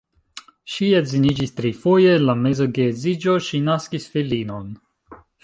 Ŝi edziniĝis trifoje, en la meza geedziĝo ŝi naskis filinon.